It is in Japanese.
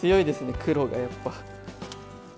黒がやっぱ。